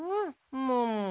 もう。